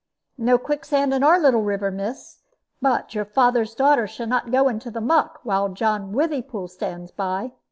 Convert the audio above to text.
"No quicksand in our little river, miss. But your father's daughter shannot go into the muck, while John Withypool stands by.